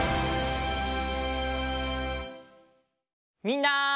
みんな！